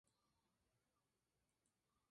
Hay diferentes hipótesis del origen de Salou.